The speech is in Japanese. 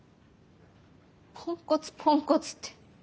ポンコツポンコツって